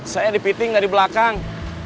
saya di piting dari belakang